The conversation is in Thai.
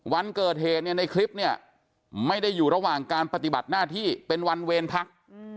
วันเกิดเหตุเนี่ยในคลิปเนี่ยไม่ได้อยู่ระหว่างการปฏิบัติหน้าที่เป็นวันเวรพัก